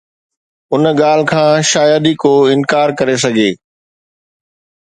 ان ڳالهه کان شايد ئي ڪو انڪار ڪري سگهي